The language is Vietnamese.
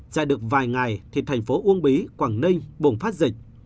sẽ được vài ngày thì thành phố uông bí quảng ninh bùng phát dịch